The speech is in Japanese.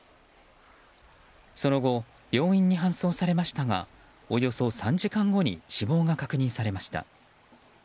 その後、病院に搬送されましたがおよそ３時間後に死亡が確認されました。